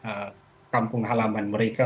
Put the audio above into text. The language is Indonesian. mereka harus mencari perempuan pengganti mereka